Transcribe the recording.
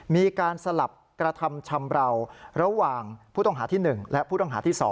มีการสลับกระทำชำราวระหว่างผู้ต้องหาที่๑และผู้ต้องหาที่๒